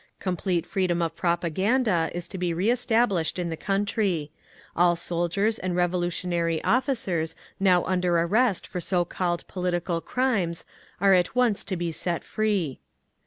"Complete freedom of propaganda is to be re established in the country. All soldiers and revolutionary officers now under arrest for so called political 'crimes' are at once to be set free."